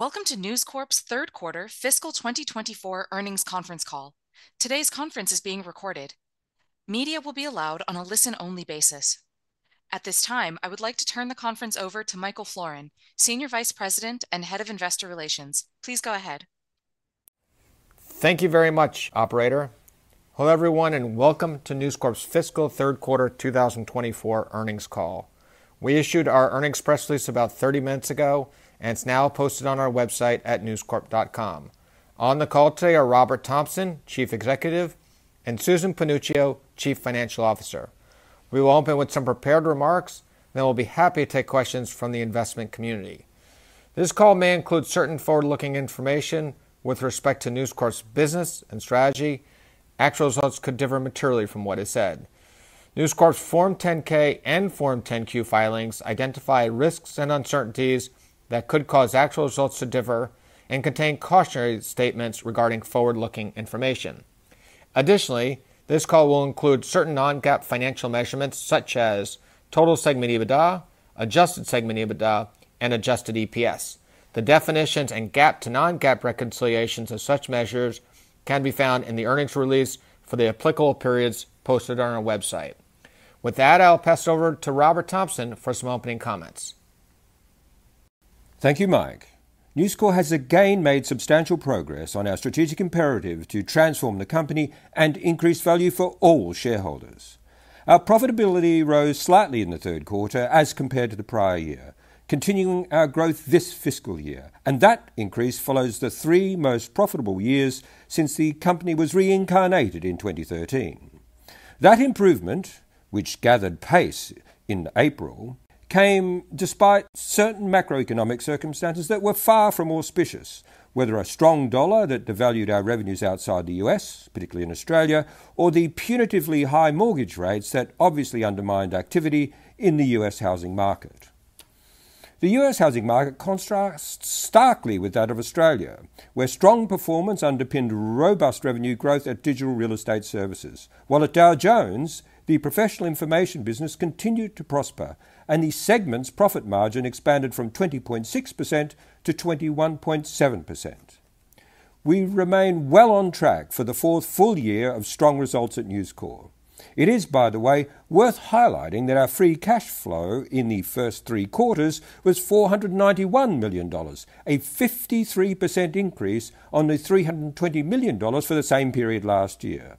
Welcome to News Corp's Third Quarter Fiscal 2024 Earnings Conference call. Today's conference is being recorded. Media will be allowed on a listen-only basis. At this time, I would like to turn the conference over to Michael Florin, Senior Vice President and Head of Investor Relations. Please go ahead. Thank you very much, Operator. Hello everyone, and welcome to News Corp's Fiscal Third Quarter 2024 Earnings Call. We issued our earnings press release about 30 minutes ago, and it's now posted on our website at newscorp.com. On the call today are Robert Thomson, Chief Executive, and Susan Panuccio, Chief Financial Officer. We will open with some prepared remarks, then we'll be happy to take questions from the investment community. This call may include certain forward-looking information with respect to News Corp's business and strategy. Actual results could differ materially from what is said. News Corp's Form 10-K and Form 10-Q filings identify risks and uncertainties that could cause actual results to differ and contain cautionary statements regarding forward-looking information. Additionally, this call will include certain non-GAAP financial measurements such as total segment EBITDA, adjusted segment EBITDA, and adjusted EPS. The definitions and GAAP to non-GAAP reconciliations of such measures can be found in the earnings release for the applicable periods posted on our website. With that, I'll pass over to Robert Thomson for some opening comments. Thank you, Mike. News Corp has again made substantial progress on our strategic imperative to transform the company and increase value for all shareholders. Our profitability rose slightly in the third quarter as compared to the prior year, continuing our growth this fiscal year, and that increase follows the three most profitable years since the company was reincarnated in 2013. That improvement, which gathered pace in April, came despite certain macroeconomic circumstances that were far from auspicious, whether a strongdollar that devalued our revenues outside the U.S., particularly in Australia, or the punitively high mortgage rates that obviously undermined activity in the U.S. housing market. The U.S. housing market contrasts starkly with that of Australia, where strong performance underpinned robust revenue growth at digital real estate services, while at Dow Jones, the professional information business continued to prosper and the segment's profit margin expanded from 20.6% to 21.7%. We remain well on track for the fourth full year of strong results at News Corp. It is, by the way, worth highlighting that our free cash flow in the first three quarters was $491 million, a 53% increase on the $320 million for the same period last year.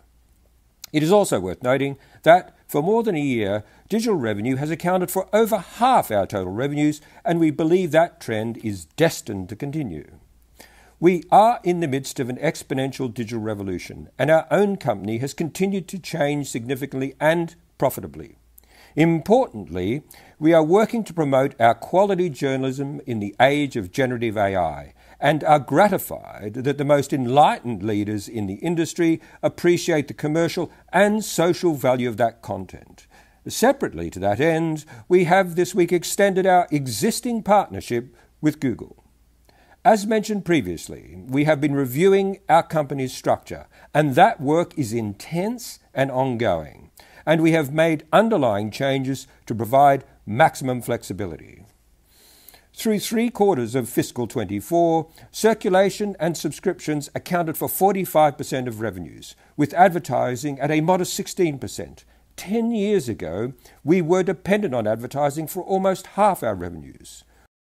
It is also worth noting that for more than a year, digital revenue has accounted for over half our total revenues, and we believe that trend is destined to continue. We are in the midst of an exponential digital revolution, and our own company has continued to change significantly and profitably. Importantly, we are working to promote our quality journalism in the age of generative AI and are gratified that the most enlightened leaders in the industry appreciate the commercial and social value of that content. Separately to that end, we have this week extended our existing partnership with Google. As mentioned previously, we have been reviewing our company's structure, and that work is intense and ongoing, and we have made underlying changes to provide maximum flexibility. Through three quarters of fiscal 2024, circulation and subscriptions accounted for 45% of revenues, with advertising at a modest 16%. 10 years ago, we were dependent on advertising for almost half our revenues.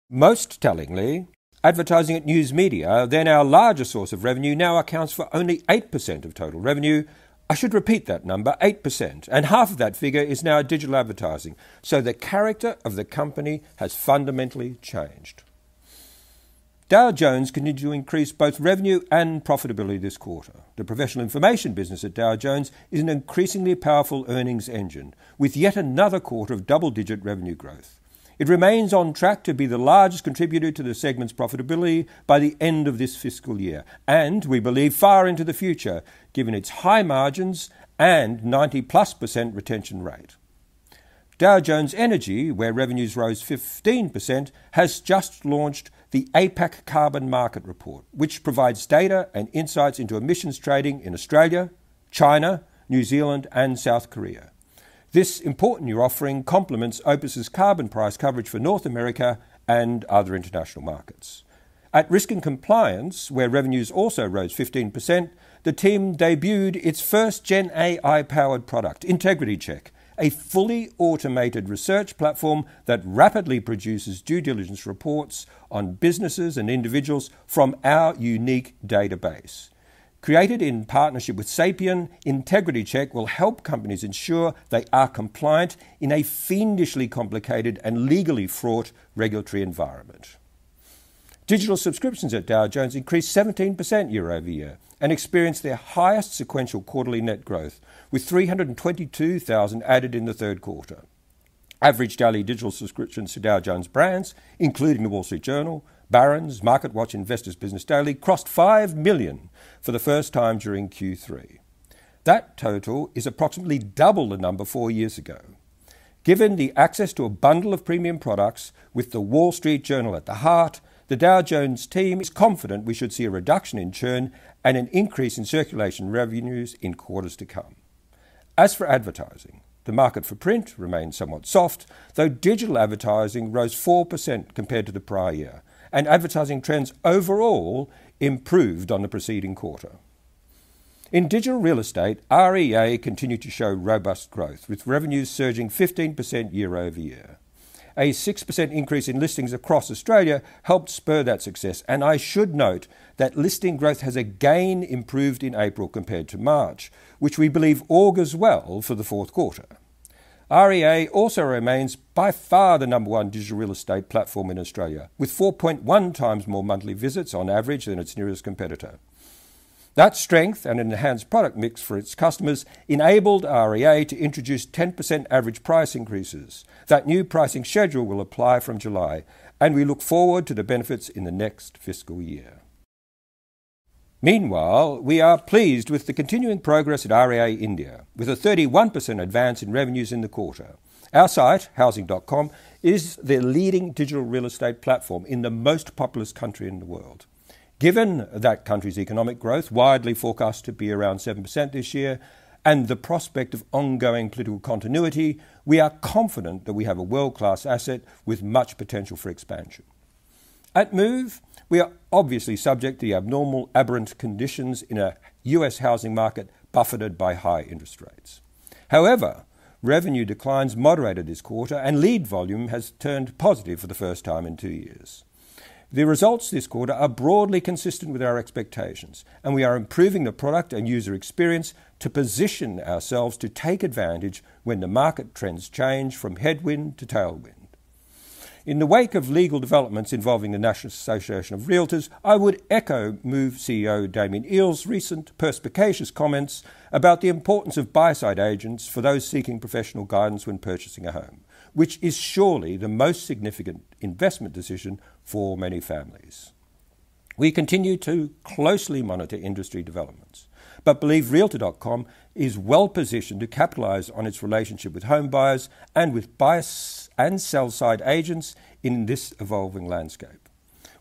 Most tellingly, advertising at news media, then our larger source of revenue, now accounts for only 8% of total revenue. I should repeat that number: 8%. And half of that figure is now digital advertising, so the character of the company has fundamentally changed. Dow Jones continued to increase both revenue and profitability this quarter. The professional information business at Dow Jones is an increasingly powerful earnings engine, with yet another quarter of double-digit revenue growth. It remains on track to be the largest contributor to the segment's profitability by the end of this fiscal year, and we believe far into the future given its high margins and 90%+ retention rate. Dow Jones Energy, where revenues rose 15%, has just launched the APAC Carbon Market Report, which provides data and insights into emissions trading in Australia, China, New Zealand, and South Korea. This important year offering complements OPIS's carbon price coverage for North America and other international markets. At Risk & Compliance, where revenues also rose 15%, the team debuted its first Gen AI-powered product, Integrity Check, a fully automated research platform that rapidly produces due diligence reports on businesses and individuals from our unique database. Created in partnership with Xapien, Integrity Check will help companies ensure they are compliant in a fiendishly complicated and legally fraught regulatory environment. Digital subscriptions at Dow Jones increased 17% year-over-year and experienced their highest sequential quarterly net growth, with 322,000 added in the third quarter. Average daily digital subscriptions to Dow Jones brands, including The Wall Street Journal, Barron's, MarketWatch, and Investor's Business Daily, crossed 5 million for the first time during Q3. That total is approximately double the number four years ago. Given the access to a bundle of premium products with The Wall Street Journal at the heart, the Dow Jones team is confident we should see a reduction in churn and an increase in circulation revenues in quarters to come. As for advertising, the market for print remained somewhat soft, though digital advertising rose 4% compared to the prior year, and advertising trends overall improved on the preceding quarter. In digital real estate, REA continued to show robust growth, with revenues surging 15% year-over-year. A 6% increase in listings across Australia helped spur that success, and I should note that listing growth has again improved in April compared to March, which we believe augurs well for the fourth quarter. REA also remains by far the number one digital real estate platform in Australia, with 4.1 times more monthly visits on average than its nearest competitor. That strength and enhanced product mix for its customers enabled REA to introduce 10% average price increases. That new pricing schedule will apply from July, and we look forward to the benefits in the next fiscal year. Meanwhile, we are pleased with the continuing progress at REA India, with a 31% advance in revenues in the quarter. Our site, Housing.com, is the leading digital real estate platform in the most populous country in the world. Given that country's economic growth widely forecast to be around 7% this year and the prospect of ongoing political continuity, we are confident that we have a world-class asset with much potential for expansion. At Move, we are obviously subject to the abnormal, aberrant conditions in a U.S. housing market buffeted by high interest rates. However, revenue declines moderated this quarter, and lead volume has turned positive for the first time in two years. The results this quarter are broadly consistent with our expectations, and we are improving the product and user experience to position ourselves to take advantage when the market trends change from headwind to tailwind. In the wake of legal developments involving the National Association of Realtors, I would echo Move CEO Damian Eales' recent perspicacious comments about the importance of buy-side agents for those seeking professional guidance when purchasing a home, which is surely the most significant investment decision for many families. We continue to closely monitor industry developments, but believe Realtor.com is well positioned to capitalize on its relationship with home buyers and with buyer and sell-side agents in this evolving landscape.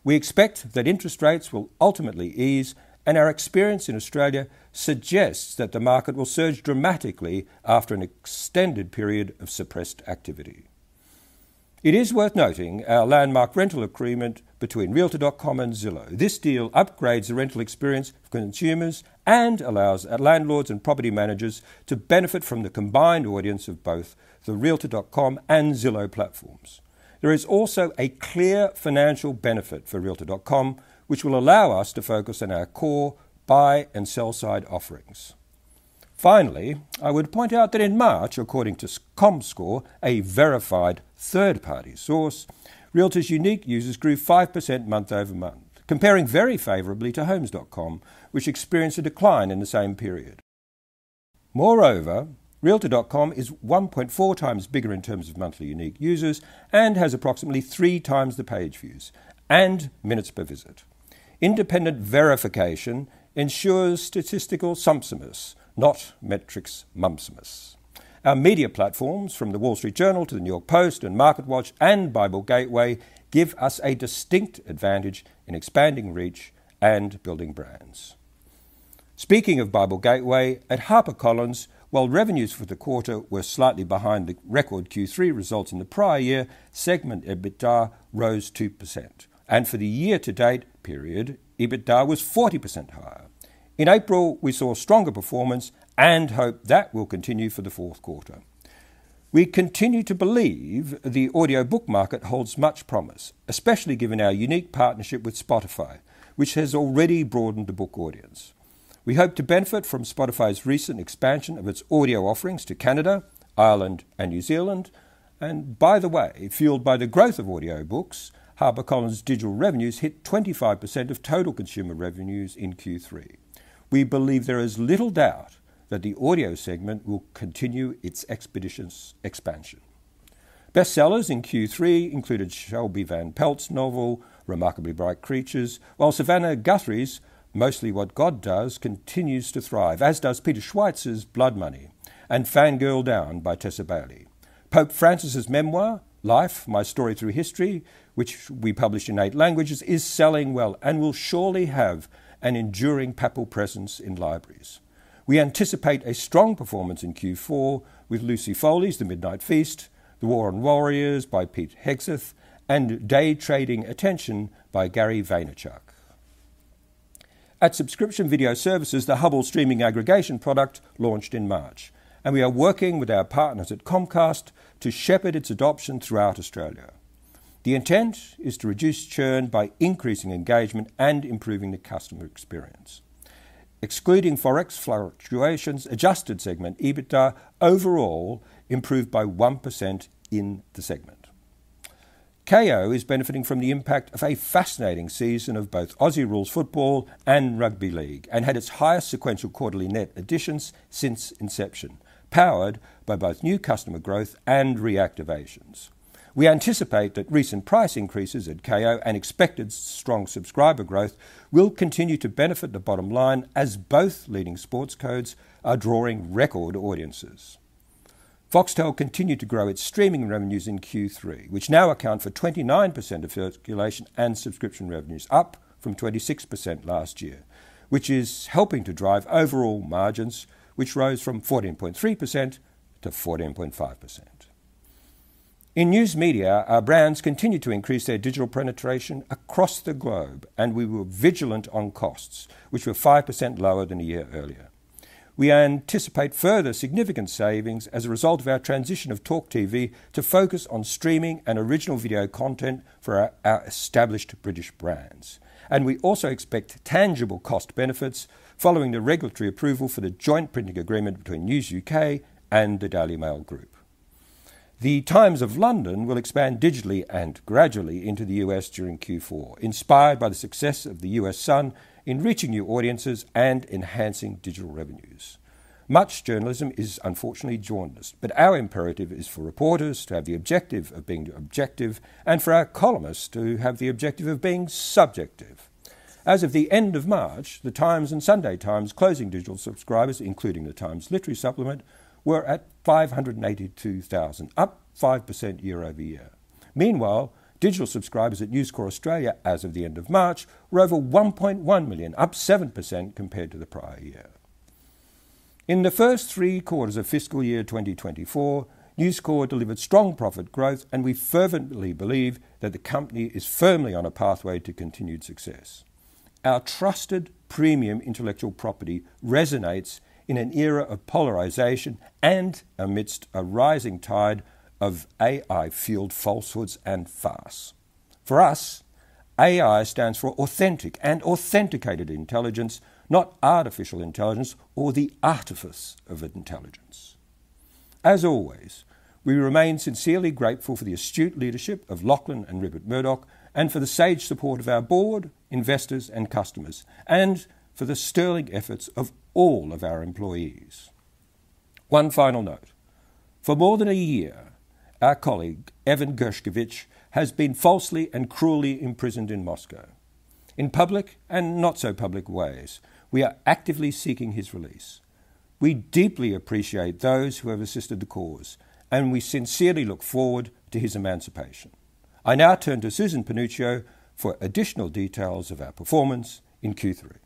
We expect that interest rates will ultimately ease, and our experience in Australia suggests that the market will surge dramatically after an extended period of suppressed activity. It is worth noting our landmark rental agreement between Realtor.com and Zillow. This deal upgrades the rental experience for consumers and allows landlords and property managers to benefit from the combined audience of both the Realtor.com and Zillow platforms. There is also a clear financial benefit for Realtor.com, which will allow us to focus on our core buy and sell-side offerings. Finally, I would point out that in March, according to Comscore, a verified third-party source, Realtor.com's unique users grew 5% month-over-month, comparing very favorably to Homes.com, which experienced a decline in the same period. Moreover, Realtor.com is 1.4 times bigger in terms of monthly unique users and has approximately 3 times the page views and minutes per visit. Independent verification ensures statistical sumpsimus, not metrics mumpsimus. Our media platforms, from The Wall Street Journal to The New York Post and MarketWatch and Bible Gateway, give us a distinct advantage in expanding reach and building brands. Speaking of Bible Gateway, at HarperCollins, while revenues for the quarter were slightly behind the record Q3 results in the prior year, segment EBITDA rose 2%, and for the year-to-date period, EBITDA was 40% higher. In April, we saw stronger performance and hope that will continue for the fourth quarter. We continue to believe the audiobook market holds much promise, especially given our unique partnership with Spotify, which has already broadened the book audience. We hope to benefit from Spotify's recent expansion of its audio offerings to Canada, Ireland, and New Zealand. And by the way, fueled by the growth of audiobooks, HarperCollins' digital revenues hit 25% of total consumer revenues in Q3. We believe there is little doubt that the audio segment will continue its expeditious expansion. Bestsellers in Q3 included Shelby Van Pelt's novel Remarkably Bright Creatures, while Savannah Guthrie's Mostly What God Does continues to thrive, as does Peter Schweizer's Blood Money and Fangirl Down by Tessa Bailey. Pope Francis's memoir Life: My Story Through History, which we published in eight languages, is selling well and will surely have an enduring papal presence in libraries. We anticipate a strong performance in Q4 with Lucy Foley's The Midnight Feast, The War on Warriors by Pete Hegseth, and Day Trading Attention by Gary Vaynerchuk. At Subscription Video Services, the Hubbl streaming aggregation product launched in March, and we are working with our partners at Comcast to shepherd its adoption throughout Australia. The intent is to reduce churn by increasing engagement and improving the customer experience. Excluding forex fluctuations, adjusted segment EBITDA overall improved by 1% in the segment. Kayo is benefiting from the impact of a fascinating season of both Aussie Rules football and Rugby League and had its highest sequential quarterly net additions since inception, powered by both new customer growth and reactivations. We anticipate that recent price increases at Kayo and expected strong subscriber growth will continue to benefit the bottom line as both leading sports codes are drawing record audiences. Foxtel continued to grow its streaming revenues in Q3, which now account for 29% of circulation and subscription revenues, up from 26% last year, which is helping to drive overall margins, which rose from 14.3%-14.5%. In news media, our brands continue to increase their digital penetration across the globe, and we were vigilant on costs, which were 5% lower than a year earlier. We anticipate further significant savings as a result of our transition of TalkTV to focus on streaming and original video content for our established British brands, and we also expect tangible cost benefits following the regulatory approval for the joint printing agreement between News UK and the Daily Mail and General Trust. The Times of London will expand digitally and gradually into the U.S. during Q4, inspired by the success of The U.S. Sun, enriching new audiences and enhancing digital revenues. Much journalism is unfortunately jaundiced, but our imperative is for reporters to have the objective of being objective and for our columnists to have the objective of being subjective. As of the end of March, The Times and Sunday Times closing digital subscribers, including The Times Literary Supplement, were at 582,000, up 5% year-over-year. Meanwhile, digital subscribers at News Corp Australia as of the end of March were over 1.1 million, up 7% compared to the prior year. In the first three quarters of fiscal year 2024, News Corp delivered strong profit growth, and we fervently believe that the company is firmly on a pathway to continued success. Our trusted premium intellectual property resonates in an era of polarization and amidst a rising tide of AI-fueled falsehoods and farce. For us, AI stands for Authentic and Authenticated Intelligence, not Artificial Intelligence or the artifice of intelligence. As always, we remain sincerely grateful for the astute leadership of Lachlan and Rupert Murdoch, and for the sage support of our board, investors, and customers, and for the sterling efforts of all of our employees. One final note. For more than a year, our colleague Evan Gershkovich has been falsely and cruelly imprisoned in Moscow. In public and not-so-public ways, we are actively seeking his release. We deeply appreciate those who have assisted the cause, and we sincerely look forward to his emancipation. I now turn to Susan Panuccio for additional details of our performance in Q3.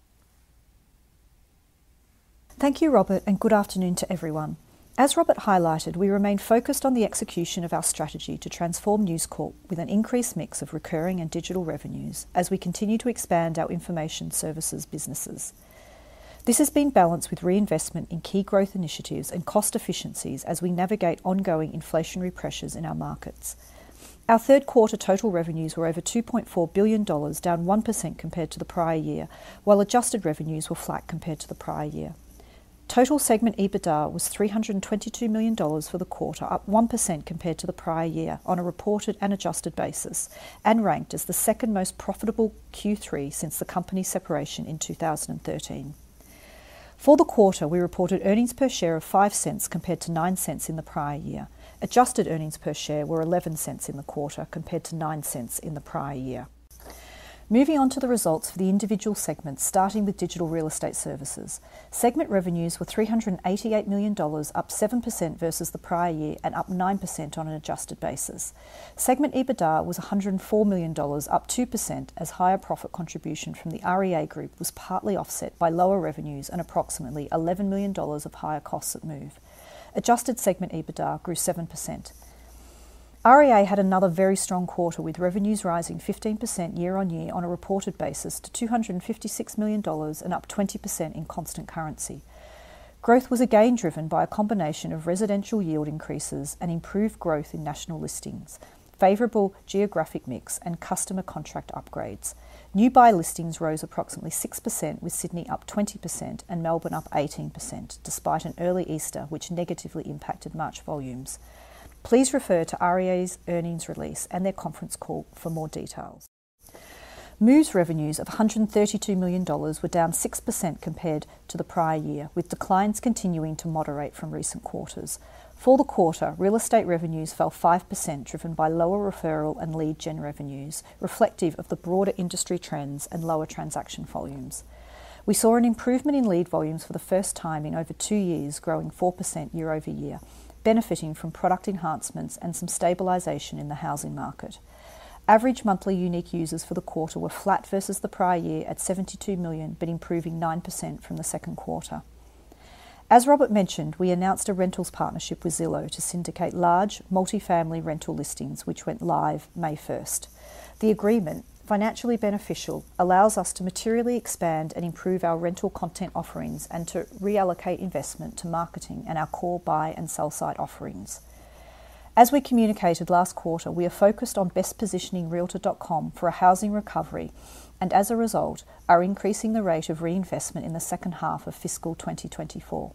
Thank you, Robert, and good afternoon to everyone. As Robert highlighted, we remain focused on the execution of our strategy to transform News Corp with an increased mix of recurring and digital revenues as we continue to expand our information services businesses. This has been balanced with reinvestment in key growth initiatives and cost efficiencies as we navigate ongoing inflationary pressures in our markets. Our third quarter total revenues were over $2.4 billion, down 1% compared to the prior year, while adjusted revenues were flat compared to the prior year. Total segment EBITDA was $322 million for the quarter, up 1% compared to the prior year on a reported and adjusted basis, and ranked as the second most profitable Q3 since the company separation in 2013. For the quarter, we reported earnings per share of $0.05 compared to $0.09 in the prior year. Adjusted earnings per share were $0.11 in the quarter compared to $0.09 in the prior year. Moving on to the results for the individual segments, starting with digital real estate services. Segment revenues were $388 million, up 7% versus the prior year and up 9% on an adjusted basis. Segment EBITDA was $104 million, up 2% as higher profit contribution from the REA Group was partly offset by lower revenues and approximately $11 million of higher costs at Move. Adjusted segment EBITDA grew 7%. REA had another very strong quarter with revenues rising 15% year-over-year on a reported basis to $256 million and up 20% in constant currency. Growth was again driven by a combination of residential yield increases and improved growth in national listings, favorable geographic mix, and customer contract upgrades. New buy listings rose approximately 6%, with Sydney up 20% and Melbourne up 18% despite an early Easter, which negatively impacted March volumes. Please refer to REA's earnings release and their conference call for more details. Move's revenues of $132 million were down 6% compared to the prior year, with declines continuing to moderate from recent quarters. For the quarter, real estate revenues fell 5% driven by lower referral and lead gen revenues, reflective of the broader industry trends and lower transaction volumes. We saw an improvement in lead volumes for the first time in over two years, growing 4% year-over-year, benefiting from product enhancements and some stabilization in the housing market. Average monthly unique users for the quarter were flat versus the prior year at 72 million, but improving 9% from the second quarter. As Robert mentioned, we announced a rentals partnership with Zillow to syndicate large multifamily rental listings, which went live May 1st. The agreement, financially beneficial, allows us to materially expand and improve our rental content offerings and to reallocate investment to marketing and our core buy-side and sell-side offerings. As we communicated last quarter, we are focused on best positioning Realtor.com for a housing recovery and, as a result, are increasing the rate of reinvestment in the second half of fiscal 2024.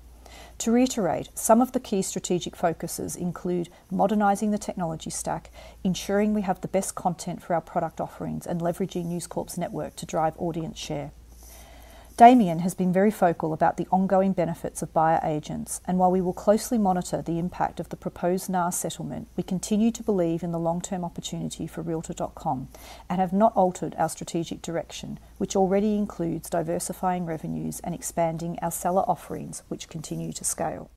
To reiterate, some of the key strategic focuses include modernizing the technology stack, ensuring we have the best content for our product offerings, and leveraging News Corp's network to drive audience share. Damian has been very vocal about the ongoing benefits of buyer agents, and while we will closely monitor the impact of the proposed NAR settlement, we continue to believe in the long-term opportunity for Realtor.com and have not altered our strategic direction, which already includes diversifying revenues and expanding our seller offerings, which continue to scale.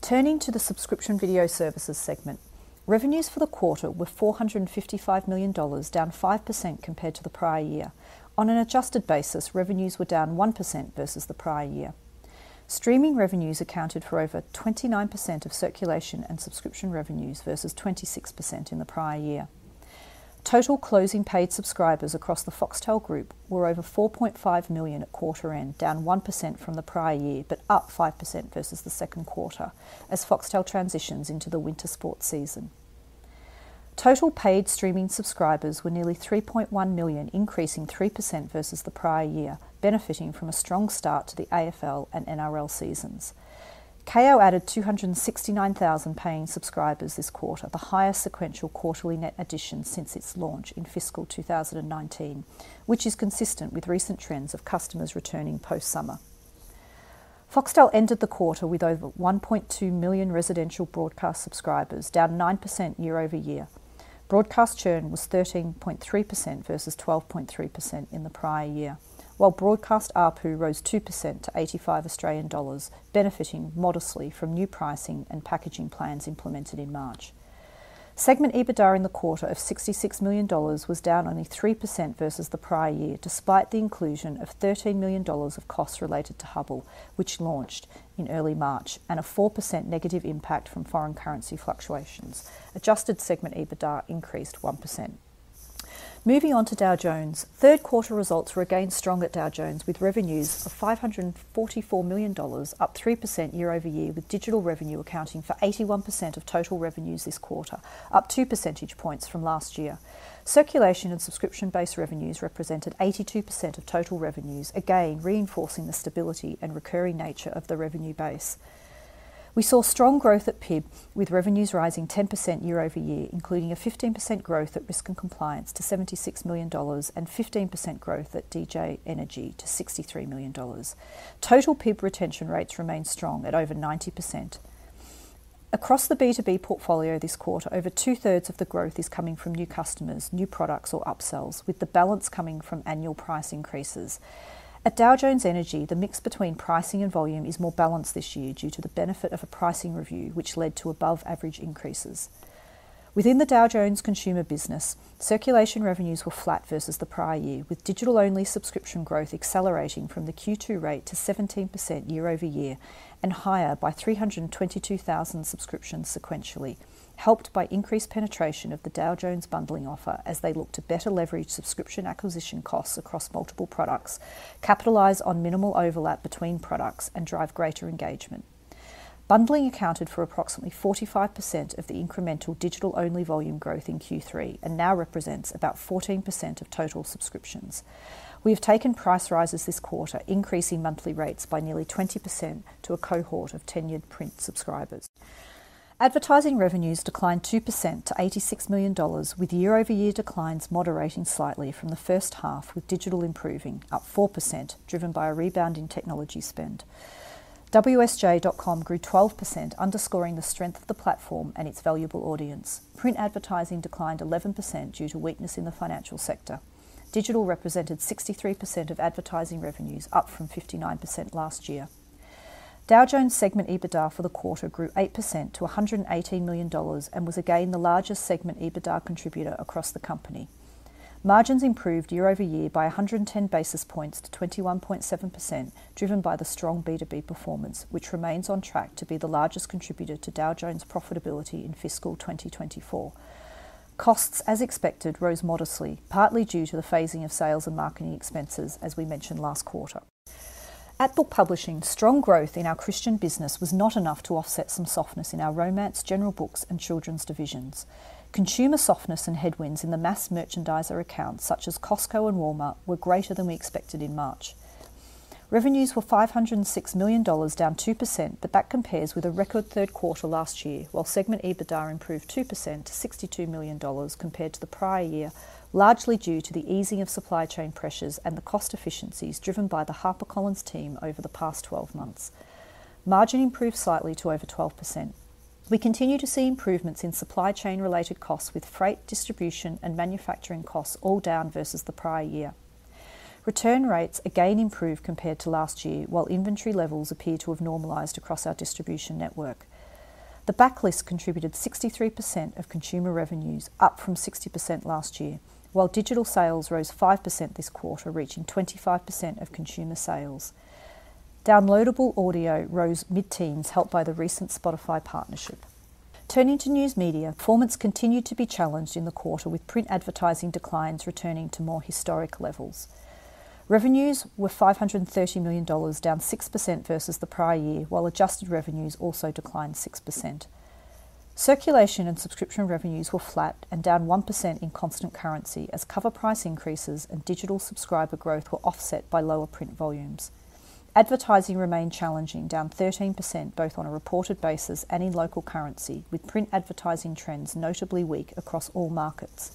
Turning to the subscription video services segment. Revenues for the quarter were $455 million, down 5% compared to the prior year. On an adjusted basis, revenues were down 1% versus the prior year. Streaming revenues accounted for over 29% of circulation and subscription revenues versus 26% in the prior year. Total closing paid subscribers across the Foxtel Group were over 4.5 million at quarter end, down 1% from the prior year, but up 5% versus the second quarter as Foxtel transitions into the winter sports season. Total paid streaming subscribers were nearly 3.1 million, increasing 3% versus the prior year, benefiting from a strong start to the AFL and NRL seasons. Kayo added 269,000 paying subscribers this quarter, the highest sequential quarterly net addition since its launch in fiscal 2019, which is consistent with recent trends of customers returning post-summer. Foxtel ended the quarter with over 1.2 million residential broadcast subscribers, down 9% year-over-year. Broadcast churn was 13.3% versus 12.3% in the prior year, while broadcast RPU rose 2% to 85 Australian dollars, benefiting modestly from new pricing and packaging plans implemented in March. Segment EBITDA in the quarter of $66 million was down only 3% versus the prior year despite the inclusion of $13 million of costs related to Hubbl, which launched in early March, and a 4% negative impact from foreign currency fluctuations. Adjusted segment EBITDA increased 1%. Moving on to Dow Jones. Third quarter results were again strong at Dow Jones, with revenues of $544 million, up 3% year-over-year, with digital revenue accounting for 81% of total revenues this quarter, up two percentage points from last year. Circulation and subscription-based revenues represented 82% of total revenues, again reinforcing the stability and recurring nature of the revenue base. We saw strong growth at PIB, with revenues rising 10% year-over-year, including a 15% growth at Risk and Compliance to $76 million and 15% growth at Dow Jones Energy to $63 million. Total PIB retention rates remained strong at over 90%. Across the B2B portfolio this quarter, over two-thirds of the growth is coming from new customers, new products, or upsells, with the balance coming from annual price increases. At Dow Jones Energy, the mix between pricing and volume is more balanced this year due to the benefit of a pricing review, which led to above-average increases. Within the Dow Jones consumer business, circulation revenues were flat versus the prior year, with digital-only subscription growth accelerating from the Q2 rate to 17% year over year and higher by 322,000 subscriptions sequentially, helped by increased penetration of the Dow Jones bundling offer as they looked to better leverage subscription acquisition costs across multiple products, capitalize on minimal overlap between products, and drive greater engagement. Bundling accounted for approximately 45% of the incremental digital-only volume growth in Q3 and now represents about 14% of total subscriptions. We have taken price rises this quarter, increasing monthly rates by nearly 20% to a cohort of tenured print subscribers. Advertising revenues declined 2% to $86 million, with year-over-year declines moderating slightly from the first half, with digital improving, up 4%, driven by a rebound in technology spend. WSJ.com grew 12%, underscoring the strength of the platform and its valuable audience. Print advertising declined 11% due to weakness in the financial sector. Digital represented 63% of advertising revenues, up from 59% last year. Dow Jones segment EBITDA for the quarter grew 8% to $118 million and was again the largest segment EBITDA contributor across the company. Margins improved year-over-year by 110 basis points to 21.7%, driven by the strong B2B performance, which remains on track to be the largest contributor to Dow Jones profitability in fiscal 2024. Costs, as expected, rose modestly, partly due to the phasing of sales and marketing expenses, as we mentioned last quarter. At Book Publishing, strong growth in our Christian business was not enough to offset some softness in our romance, general books, and children's divisions. Consumer softness and headwinds in the mass merchandiser accounts such as Costco and Walmart were greater than we expected in March. Revenues were $506 million, down 2%, but that compares with a record third quarter last year, while Segment EBITDA improved 2% to $62 million compared to the prior year, largely due to the easing of supply chain pressures and the cost efficiencies driven by the HarperCollins team over the past 12 months. Margin improved slightly to over 12%. We continue to see improvements in supply chain-related costs, with freight, distribution, and manufacturing costs all down versus the prior year. Return rates again improved compared to last year, while inventory levels appear to have normalized across our distribution network. The backlist contributed 63% of consumer revenues, up from 60% last year, while digital sales rose 5% this quarter, reaching 25% of consumer sales. Downloadable audio rose mid-teens, helped by the recent Spotify partnership. Turning to news media. Performance continued to be challenged in the quarter, with print advertising declines returning to more historic levels. Revenues were $530 million, down 6% versus the prior year, while adjusted revenues also declined 6%. Circulation and subscription revenues were flat and down 1% in constant currency as cover price increases and digital subscriber growth were offset by lower print volumes. Advertising remained challenging, down 13% both on a reported basis and in local currency, with print advertising trends notably weak across all markets.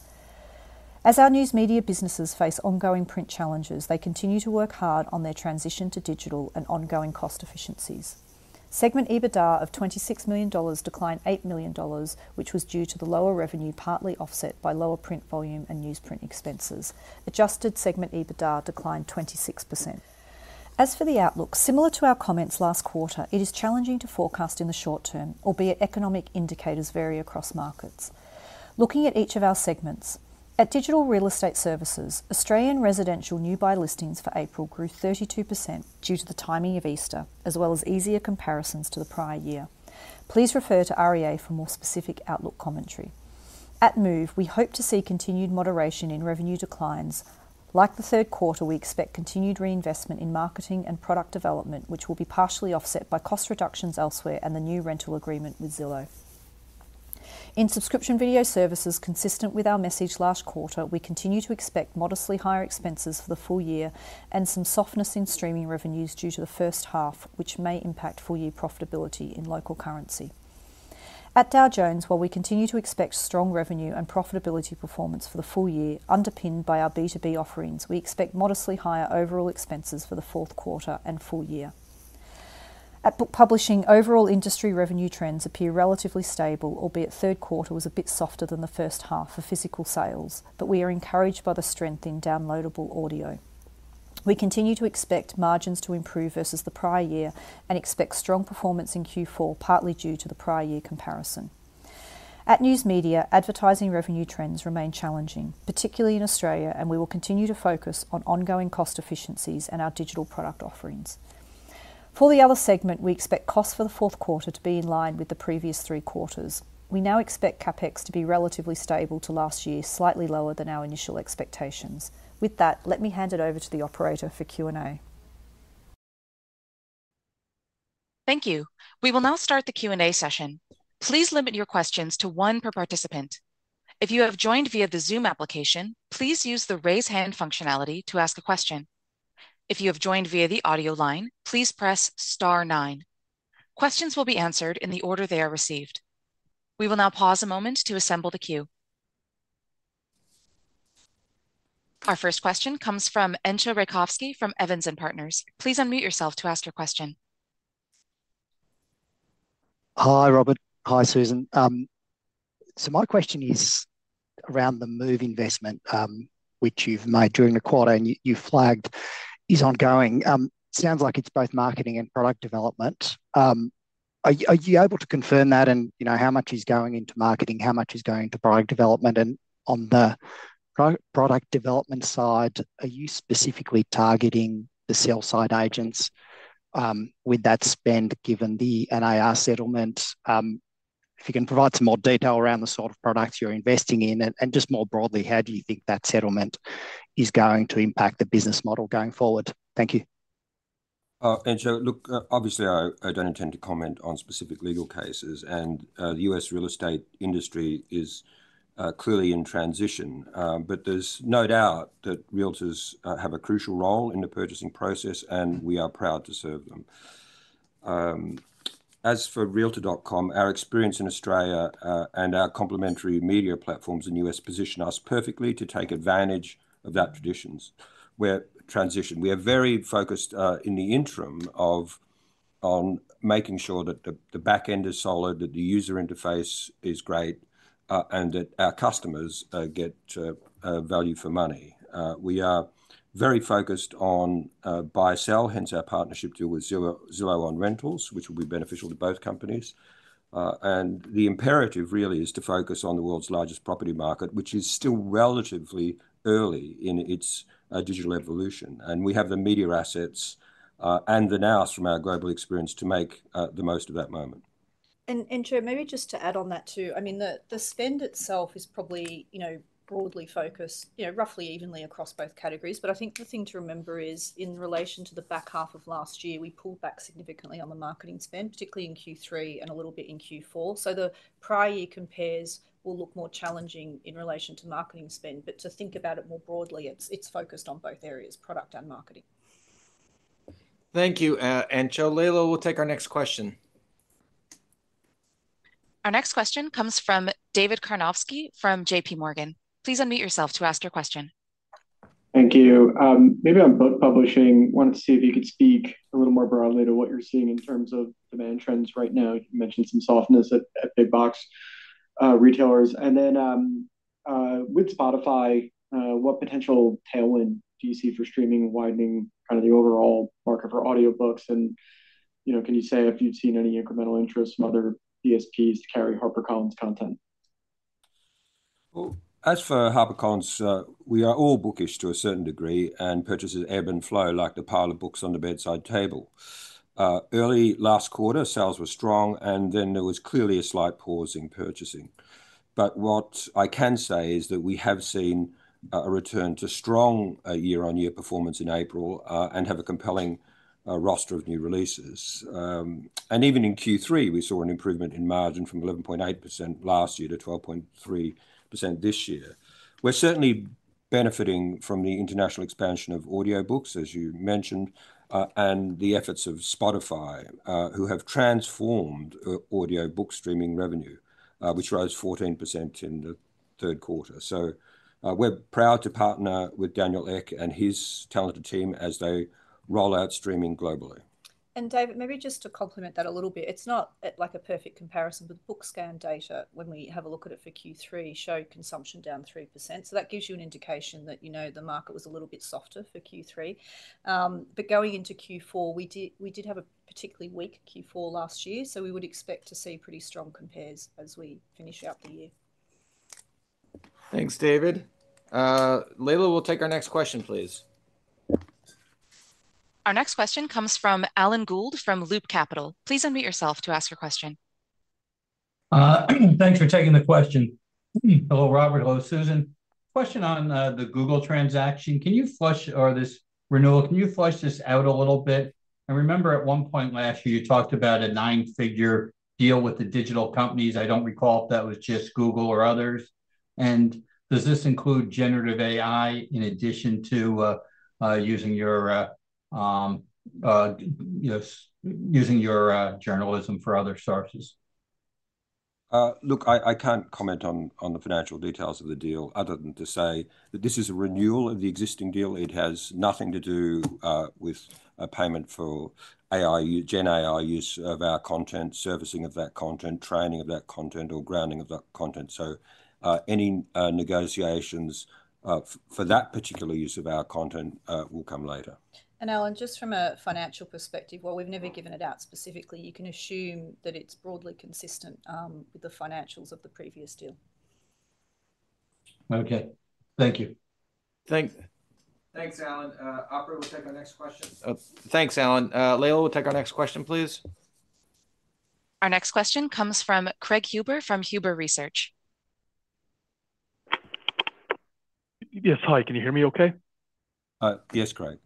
As our news media businesses face ongoing print challenges, they continue to work hard on their transition to digital and ongoing cost efficiencies. Segment EBITDA of $26 million declined $8 million, which was due to the lower revenue partly offset by lower print volume and newsprint expenses. Adjusted Segment EBITDA declined 26%. As for the outlook, similar to our comments last quarter, it is challenging to forecast in the short term, albeit economic indicators vary across markets. Looking at each of our segments. At digital real estate services, Australian residential new buy listings for April grew 32% due to the timing of Easter, as well as easier comparisons to the prior year. Please refer to REA for more specific outlook commentary. At Move, we hope to see continued moderation in revenue declines. Like the third quarter, we expect continued reinvestment in marketing and product development, which will be partially offset by cost reductions elsewhere and the new rental agreement with Zillow. In subscription video services, consistent with our message last quarter, we continue to expect modestly higher expenses for the full year and some softness in streaming revenues due to the first half, which may impact full-year profitability in local currency. At Dow Jones, while we continue to expect strong revenue and profitability performance for the full year underpinned by our B2B offerings, we expect modestly higher overall expenses for the fourth quarter and full year. At Book Publishing, overall industry revenue trends appear relatively stable, albeit third quarter was a bit softer than the first half for physical sales, but we are encouraged by the strength in downloadable audio. We continue to expect margins to improve versus the prior year and expect strong performance in Q4, partly due to the prior year comparison. At news media, advertising revenue trends remain challenging, particularly in Australia, and we will continue to focus on ongoing cost efficiencies and our digital product offerings. For the other segment, we expect costs for the fourth quarter to be in line with the previous three quarters. We now expect CapEx to be relatively stable to last year, slightly lower than our initial expectations. With that, let me hand it over to the operator for Q&A. Thank you. We will now start the Q&A session. Please limit your questions to one per participant. If you have joined via the Zoom application, please use the raise hand functionality to ask a question. If you have joined via the audio line, please press star 9. Questions will be answered in the order they are received. We will now pause a moment to assemble the queue. Our first question comes from Entcho Raykovski from Evans & Partners. Please unmute yourself to ask your question. Hi, Robert. Hi, Susan. So my question is around the Move investment which you've made during the quarter and you flagged is ongoing. Sounds like it's both marketing and product development. Are you able to confirm that and how much is going into marketing, how much is going into product development? And on the product development side, are you specifically targeting the sell-side agents with that spend given the NAR settlement? If you can provide some more detail around the sort of products you're investing in and just more broadly, how do you think that settlement is going to impact the business model going forward? Thank you. Entcho, look, obviously, I don't intend to comment on specific legal cases. The U.S. real estate industry is clearly in transition. But there's no doubt that realtors have a crucial role in the purchasing process, and we are proud to serve them. As for Realtor.com, our experience in Australia and our complementary media platforms in the U.S. position us perfectly to take advantage of that transition. We are very focused in the interim on making sure that the backend is solid, that the user interface is great, and that our customers get value for money. We are very focused on buy-sell, hence our partnership deal with Zillow on rentals, which will be beneficial to both companies. The imperative, really, is to focus on the world's largest property market, which is still relatively early in its digital evolution. We have the media assets and the NARs from our global experience to make the most of that moment. Entcho, maybe just to add on that too, I mean, the spend itself is probably broadly focused roughly evenly across both categories. But I think the thing to remember is, in relation to the back half of last year, we pulled back significantly on the marketing spend, particularly in Q3 and a little bit in Q4. So the prior year compares will look more challenging in relation to marketing spend. But to think about it more broadly, it's focused on both areas, product and marketing. Thank you, Entcho. Leila, we'll take our next question. Our next question comes from David Karnovsky from JPMorgan. Please unmute yourself to ask your question. Thank you. Maybe on Book Publishing, wanted to see if you could speak a little more broadly to what you're seeing in terms of demand trends right now. You mentioned some softness at big box retailers. And then with Spotify, what potential tailwind do you see for streaming widening kind of the overall market for audiobooks? And can you say if you've seen any incremental interest from other ESPs to carry HarperCollins content? Well, as for HarperCollins, we are all bookish to a certain degree and purchases ebb and flow like the pile of books on the bedside table. Early last quarter, sales were strong, and then there was clearly a slight pause in purchasing. But what I can say is that we have seen a return to strong year-on-year performance in April and have a compelling roster of new releases. And even in Q3, we saw an improvement in margin from 11.8% last year to 12.3% this year. We're certainly benefiting from the international expansion of audiobooks, as you mentioned, and the efforts of Spotify, who have transformed audiobook streaming revenue, which rose 14% in the third quarter. So we're proud to partner with Daniel Ek and his talented team as they roll out streaming globally. David, maybe just to complement that a little bit, it's not like a perfect comparison, but the book scan data, when we have a look at it for Q3, showed consumption down 3%. So that gives you an indication that the market was a little bit softer for Q3. But going into Q4, we did have a particularly weak Q4 last year, so we would expect to see pretty strong compares as we finish out the year. Thanks, David. Leila, we'll take our next question, please. Our next question comes from Alan Gould from Loop Capital. Please unmute yourself to ask your question. Thanks for taking the question. Hello, Robert. Hello, Susan. Question on the Google transaction. Can you flesh out this renewal, can you flesh this out a little bit? I remember at one point last year, you talked about a nine-figure deal with the digital companies. I don't recall if that was just Google or others. And does this include Generative AI in addition to using your journalism for other sources? Look, I can't comment on the financial details of the deal other than to say that this is a renewal of the existing deal. It has nothing to do with a payment for AI, GenAI use of our content, servicing of that content, training of that content, or grounding of that content. So any negotiations for that particular use of our content will come later. Alan, just from a financial perspective, while we've never given it out specifically, you can assume that it's broadly consistent with the financials of the previous deal. Okay. Thank you. Thanks.Thanks, Alan. Operator, we'll take our next question. Thanks, Alan. Leila, we'll take our next question, please. Our next question comes from Craig Huber from Huber Research. Yes. Hi. Can you hear me okay? Yes, Craig.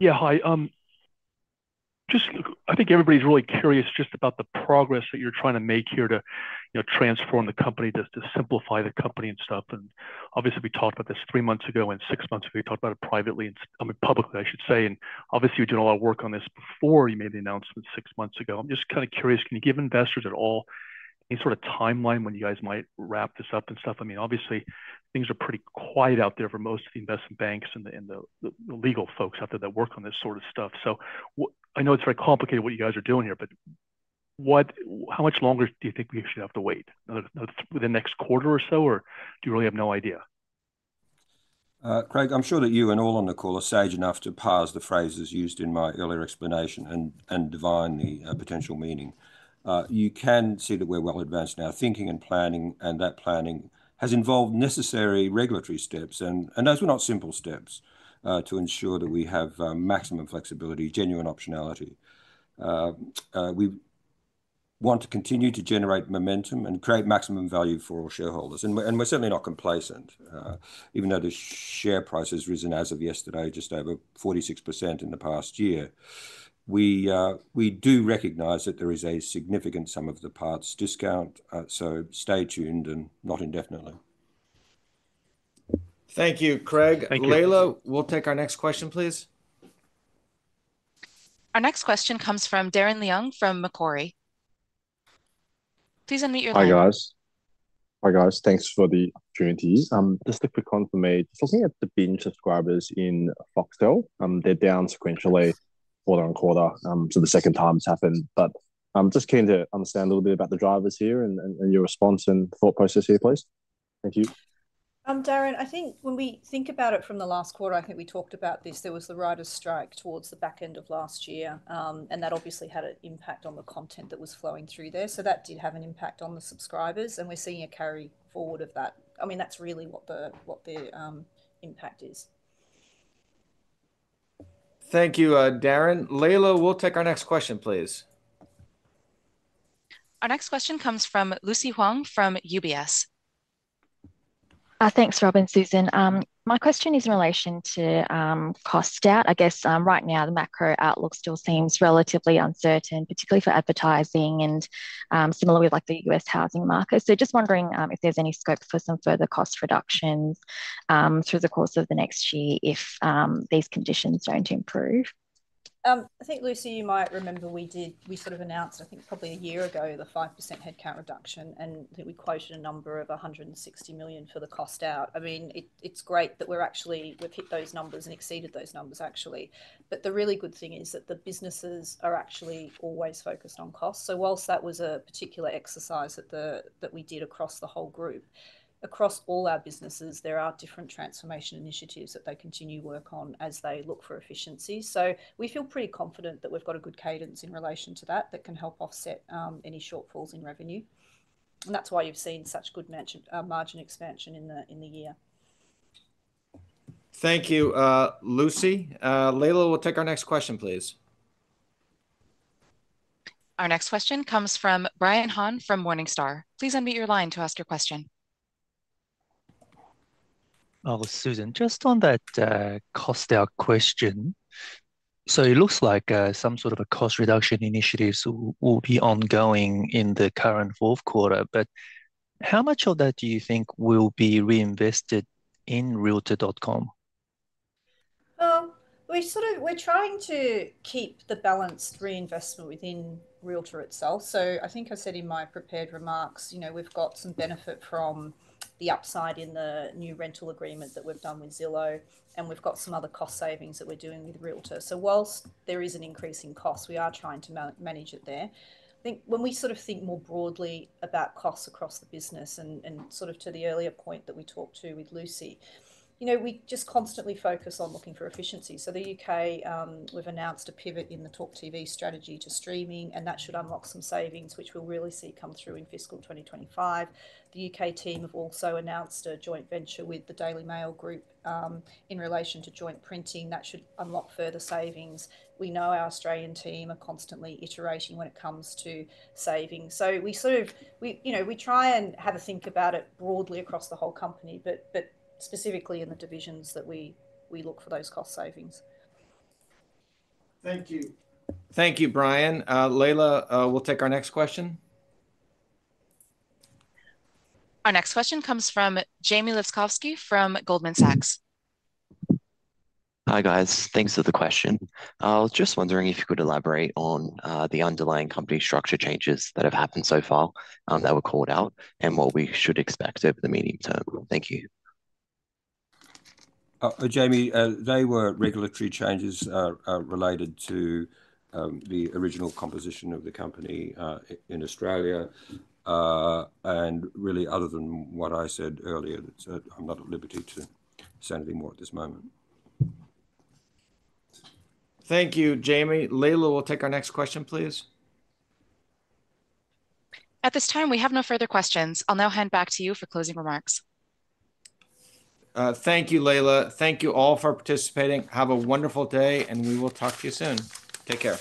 Yeah. Hi. I think everybody's really curious just about the progress that you're trying to make here to transform the company, to simplify the company and stuff. Obviously, we talked about this three months ago, and six months ago, we talked about it privately and publicly, I should say. Obviously, you were doing a lot of work on this before you made the announcement six months ago. I'm just kind of curious, can you give investors at all any sort of timeline when you guys might wrap this up and stuff? I mean, obviously, things are pretty quiet out there for most of the investment banks and the legal folks out there that work on this sort of stuff. I know it's very complicated what you guys are doing here, but how much longer do you think we should have to wait? Within the next quarter or so, or do you really have no idea? Craig, I'm sure that you and all on the call are sage enough to parse the phrases used in my earlier explanation and define the potential meaning. You can see that we're well advanced now thinking and planning, and that planning has involved necessary regulatory steps. Those were not simple steps to ensure that we have maximum flexibility, genuine optionality. We want to continue to generate momentum and create maximum value for all shareholders. We're certainly not complacent. Even though the share price has risen as of yesterday just over 46% in the past year, we do recognize that there is a significant Sum of the Parts Discount. So stay tuned and not indefinitely. Thank you, Craig. Thank you. Leila, we'll take our next question, please. Our next question comes from Darren Leung from Macquarie. Please unmute yourself. Hi, guys. Hi, guys. Thanks for the opportunity. Just to quick confirm, looking at the Binge subscribers in Foxtel, they're down sequentially quarter-over-quarter. The second time's happened. Just keen to understand a little bit about the drivers here and your response and thought process here, please. Thank you. Darren, I think when we think about it from the last quarter, I think we talked about this. There was the writer's strike towards the back end of last year, and that obviously had an impact on the content that was flowing through there. So that did have an impact on the subscribers, and we're seeing a carry forward of that. I mean, that's really what the impact is. Thank you, Darren. Leila, we'll take our next question, please. Our next question comes from Lucy Huang from UBS. Thanks, Rob and Susan. My question is in relation to cost out. I guess right now, the macro outlook still seems relatively uncertain, particularly for advertising and similar with the U.S. housing market. Just wondering if there's any scope for some further cost reductions through the course of the next year if these conditions don't improve. I think, Lucy, you might remember we sort of announced, I think, probably a year ago, the 5% headcount reduction. I think we quoted a number of $160 million for the cost out. I mean, it's great that we've hit those numbers and exceeded those numbers, actually. The really good thing is that the businesses are actually always focused on cost. While that was a particular exercise that we did across the whole group, across all our businesses, there are different transformation initiatives that they continue to work on as they look for efficiencies. We feel pretty confident that we've got a good cadence in relation to that that can help offset any shortfalls in revenue. That's why you've seen such good margin expansion in the year. Thank you, Lucy. Leila, we'll take our next question, please. Our next question comes from Brian Han from Morningstar. Please unmute your line to ask your question. Oh, Susan, just on that cost out question. So it looks like some sort of a cost reduction initiative will be ongoing in the current fourth quarter. But how much of that do you think will be reinvested in Realtor.com? Well, we're trying to keep the balanced reinvestment within realtor itself. So I think I said in my prepared remarks, we've got some benefit from the upside in the new rental agreement that we've done with Zillow, and we've got some other cost savings that we're doing with realtor. So while there is an increase in costs, we are trying to manage it there. I think when we sort of think more broadly about costs across the business and sort of to the earlier point that we talked to with Lucy, we just constantly focus on looking for efficiencies. So the U.K., we've announced a pivot in the TalkTV strategy to streaming, and that should unlock some savings, which we'll really see come through in fiscal 2025. The U.K. team have also announced a joint venture with the Daily Mail Group in relation to joint printing. That should unlock further savings. We know our Australian team are constantly iterating when it comes to savings. So we sort of try and have a think about it broadly across the whole company, but specifically in the divisions that we look for those cost savings. Thank you. Thank you, Brian. Leila, we'll take our next question. Our next question comes from Jamie Luz from Goldman Sachs. Hi, guys. Thanks for the question. I was just wondering if you could elaborate on the underlying company structure changes that have happened so far that were called out and what we should expect over the medium term? Thank you. Jamie, they were regulatory changes related to the original composition of the company in Australia. Really, other than what I said earlier, I'm not at liberty to say anything more at this moment. Thank you, Jamie. Leila, we'll take our next question, please. At this time, we have no further questions. I'll now hand back to you for closing remarks. Thank you, Leila. Thank you all for participating. Have a wonderful day, and we will talk to you soon. Take care.